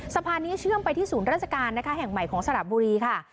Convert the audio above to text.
สะพานนี้เชื่อมไปที่ศูนย์ราชการนะคะแห่งใหม่ของสระบุรีค่ะ